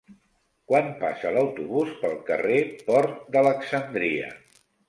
Quan passa l'autobús pel carrer Port d'Alexandria?